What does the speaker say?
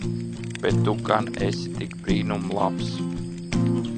Bet tu gan esi tik brīnum labs.